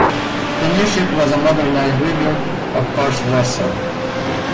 The new ship was a modernized rebuild of "Horst Wessel".